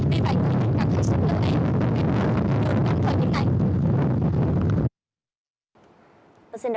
vì vậy thì các thị trường càng hãy xuống lưng này để đưa thông tin đến các thị trường này